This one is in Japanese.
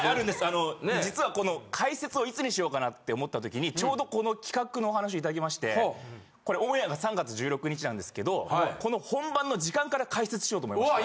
あの実はこの開設をいつにしようかなって思ったときにちょうどこの企画のお話いただきましてこれオンエアが３月１６日なんですけどこの本番の時間から開設しようと思いまして。